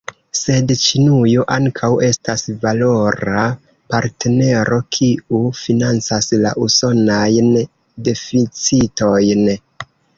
Sed Ĉinujo ankaŭ estas valora partnero, kiu financas la usonajn deficitojn.